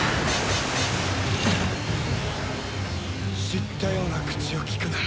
知ったような口を利くな。